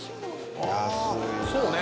そうね